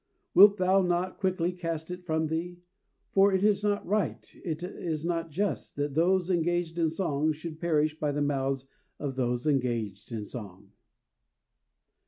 Wilt thou not quickly cast it from thee? For it is not right, it is not just, that those engaged in song should perish by the mouths of those engaged in song.